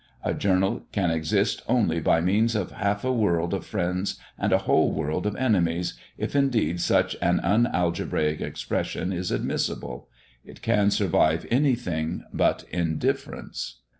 A journal can exist only by means of half a world of friends and a whole world of enemies, if indeed such an unalgebraic expression is admissible. It can survive anything but indifference.